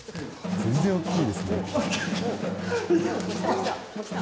全然大きいですね。